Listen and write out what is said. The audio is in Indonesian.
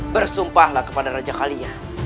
bersumpahlah kepada raja kalia